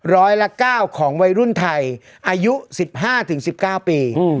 ร้อยละ๙ของวัยรุ่นไทยอายุ๑๕๑๙ปี